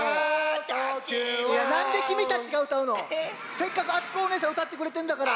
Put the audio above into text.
せっかくあつこおねえさんうたってくれてんだから。